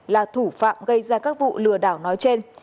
là thủ phạm gây ra các vụ lừa đảo nói trên